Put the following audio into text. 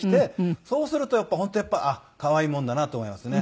そうすると本当やっぱり可愛いもんだなと思いますね。